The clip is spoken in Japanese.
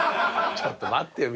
ちょっと待ってよ